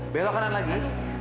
belok kanan lagi